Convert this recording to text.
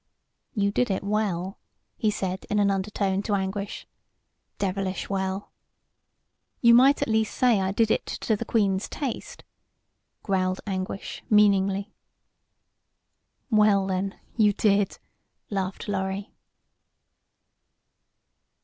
"You did it well," he said in an undertone to Anguish; "devilish well." "You might at least say I did it to the queen's taste," growled Anguish, meaningly. "Well, then, you did," laughed Lorry.